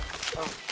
aduh aja gua